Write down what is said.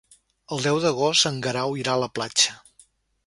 El deu d'agost en Guerau irà a la platja.